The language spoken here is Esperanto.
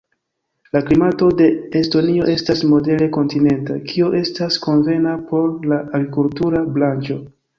La klimato de Estonio estas modere kontinenta, kio estas konvena por la agrikultura branĉo.